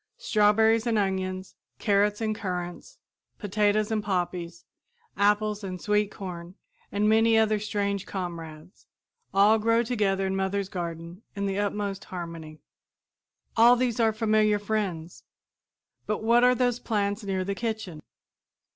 Strawberries and onions, carrots and currants, potatoes and poppies, apples and sweet corn and many other as strange comrades, all grow together in mother's garden in the utmost harmony. [Illustration: Spading Fork] All these are familiar friends; but what are those plants near the kitchen?